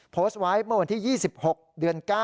โพสต์ไว้เมื่อวันที่๒๖เดือน๙